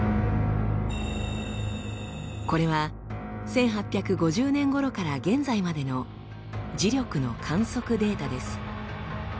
これは１８５０年ごろから現在までの磁力の観測データです。